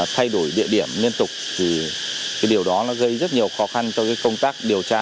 thay đổi địa điểm liên tục thì điều đó gây rất nhiều khó khăn cho công tác điều tra